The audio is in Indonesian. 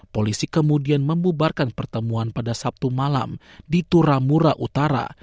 polisi kemudian membubarkan pertemuan pada sabtu malam di turamura utara